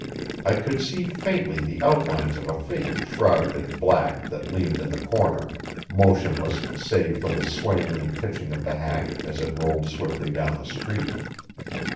I could see faintly the outlines of a figure shrouded in black that leaned in the corner, motionless save for the swaying and pitching of the hack as it rolled swiftly down the street.